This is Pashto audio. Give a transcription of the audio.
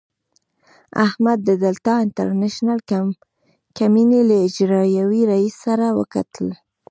احمد د دلتا انټرنشنل کمينۍ له اجرائیوي رئیس سره وکتل.